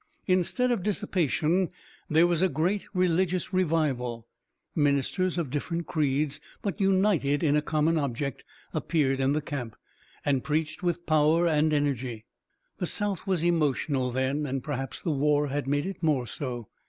Instead of dissipation there was a great religious revival. Ministers of different creeds, but united in a common object, appeared in the camp, and preached with power and energy. The South was emotional then and perhaps the war had made it more so.